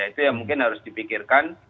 itu yang mungkin harus dipikirkan